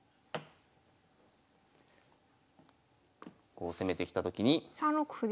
こう攻めてきた時に。